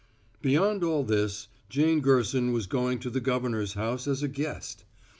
Beyond all this, Jane Gerson was going to the governor's house as a guest.